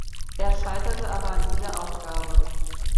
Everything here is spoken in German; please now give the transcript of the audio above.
Er scheiterte aber an dieser Aufgabe.